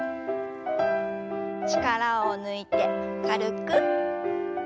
力を抜いて軽く。